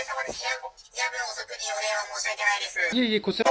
夜分遅くにお電話申し訳ないです。